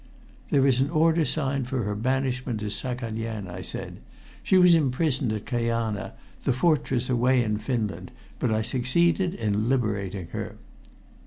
"There is an order signed for her banishment to Saghalein," I said. "She was imprisoned at Kajana, the fortress away in Finland, but I succeeded in liberating her."